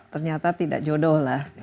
ternyata tidak jodoh lah